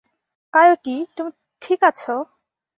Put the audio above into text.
Coyote, তুমি ঠিক আছো?